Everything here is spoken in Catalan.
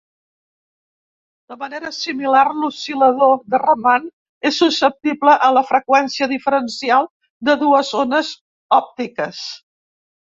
De manera similar, l'oscil·lador de Raman és susceptible a la freqüència diferencial de dues ones òptiques.